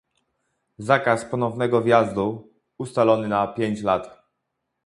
zakaz ponownego wjazdu, ustalony na pięć lat